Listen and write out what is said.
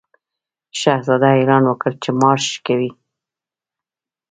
شهزاده اعلان وکړ چې مارش کوي.